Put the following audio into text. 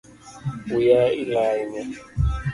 Wiya ila ahinya